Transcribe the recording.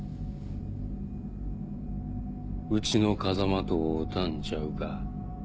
うちの風間と会うたんちゃうか？